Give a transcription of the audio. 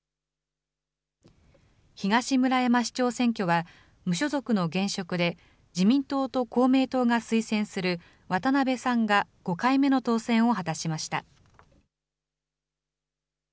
東村山市長選挙は、無所属の現職で、自民党と公明党が推薦する渡部さんが５回目の当選を果たしました。